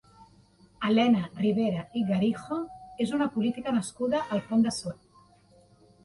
Elena Ribera i Garijo és una política nascuda al Pont de Suert.